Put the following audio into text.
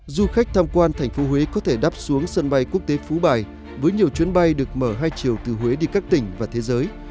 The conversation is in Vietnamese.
du khách tham quan thành phố huế có thể đáp xuống sân bay quốc tế phú bài với nhiều chuyến bay được mở hai chiều từ huế đi các tỉnh và thế giới